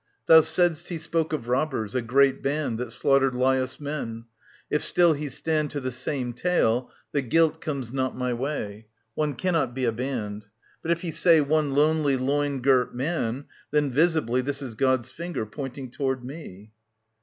Thou said'st he spoke of robbers, a great band, That slaughtered Laius' men. If still he stand To the same tale, the guilt comes not my way. One cannot be a band. But if he say One lonely loin girt man, then visibly This is God's finger pointing toward me.